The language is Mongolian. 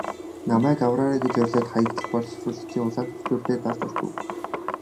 Намайг авраарай гэж орилоод Хаягдал боловсруулагчийн улаан товчлуур дээр дарж орхив.